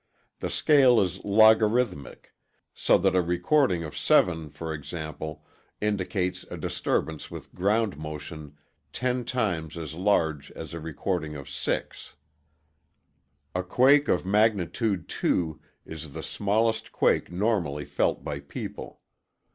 The scale is logarithmic so that a recording of 7, for example, indicates a disturbance with ground motion 10 times as large as a recording of 6. A quake of magnitude 2 is the smallest quake normally felt by people.